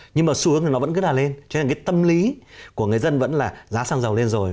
nhưng mà xu hướng thì nó vẫn cứ là lên chứ là cái tâm lý của người dân vẫn là giá xăng dầu lên rồi